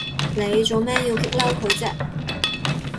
你做乜要激嬲佢啫？